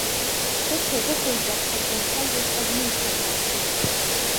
Хыхь акык-ҩбак ҳазлацәажәаз азнеишьақәа.